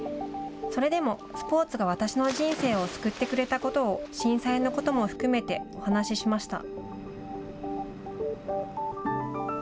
それでもスポーツが私の人生を救ってくれたことを震災のことも含めてお話ししました。